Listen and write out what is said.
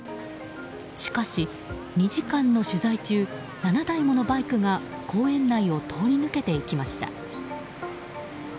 しかし２時間の取材中７台ものバイクが公園内を通り抜けていきました。